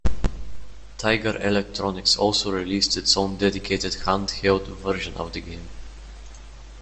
Tiger Electronics also released its own dedicated handheld version of the game.